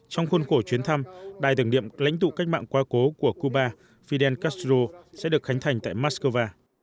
trong khuôn khổ chuyến thăm đài tưởng niệm lãnh tụ cách mạng quá cố của cuba fidel castro sẽ được khánh thành tại moscow